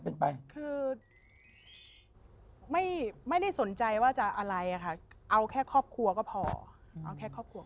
เป็นไปคือไม่ได้สนใจว่าจะอะไรอะค่ะเอาแค่ครอบครัวก็พอเอาแค่ครอบครัว